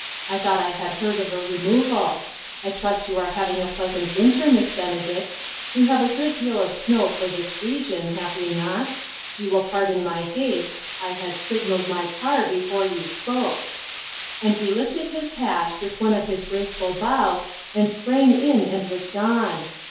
I thought I had heard of a removal. I trust you are having a pleasant winter, Miss Benedict. We have a good deal of snow for this region, have we not ? You will pardon my haste ; I had signaled my car before you spoke.' "And he lifted his hat, with one of his graceful bows, and sprang in and was gone.